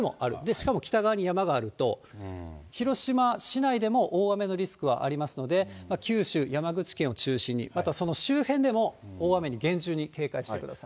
しかも北側に山があると、広島市内でも大雨のリスクはありますので、九州、山口県を中心に、またその周辺でも大雨に厳重に警戒してください。